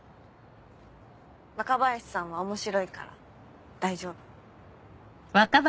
若林さんは面白いから大丈夫。